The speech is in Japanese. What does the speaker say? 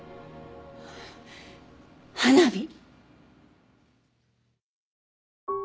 花火！